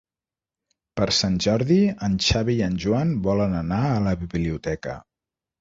Per Sant Jordi en Xavi i en Joan volen anar a la biblioteca.